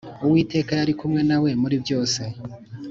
Uwiteka yari kumwe na we muribyose.